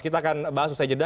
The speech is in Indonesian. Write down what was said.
kita akan bahas usai jeda